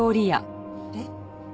えっ？